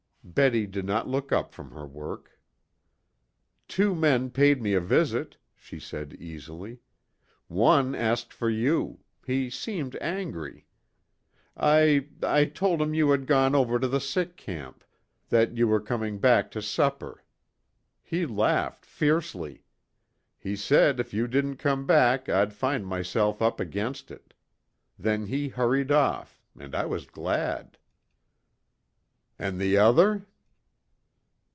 Betty did not look up from her work. "Two men paid me a visit," she said easily. "One asked for you. He seemed angry. I I told him you had gone over to the sick camp that you were coming back to supper. He laughed fiercely. He said if you didn't come back I'd find myself up against it. Then he hurried off and I was glad." "And the other?"